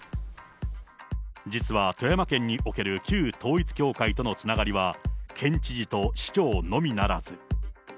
実は富山県における旧統一教会とのつながりは、県知事と市長のみならず。